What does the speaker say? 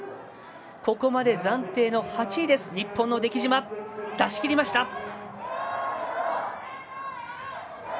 ここまで暫定の８位です日本の出来島出しきりました。